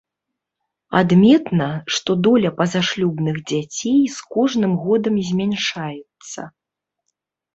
Адметна, што доля пазашлюбных дзяцей з кожным годам змяншаецца.